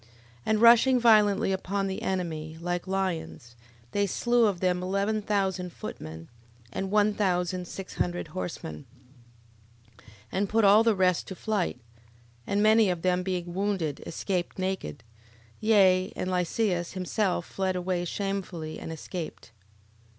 11:11. And rushing violently upon the enemy, like lions, they slew of them eleven thousand footmen, and one thousand six hundred horsemen: 11:12. And put all the rest to flight; and many of them being wounded, escaped naked: Yea, and Lysias himself fled away shamefully, and escaped.